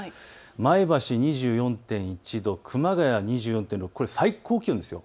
前橋２４．１度、熊谷２４．６度、これ最高気温ですよ。